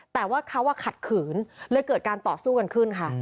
แต่ว่าเขาขัดขืนเลยเกิดการต่อสู้กันขึ้นค่ะ